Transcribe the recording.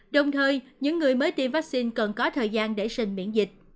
đồng thời những người mới tiêm vaccine cần có thời gian để sinh miễn dịch